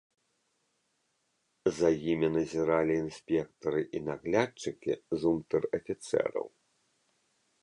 За імі назіралі інспектары і наглядчыкі з унтэр-афіцэраў.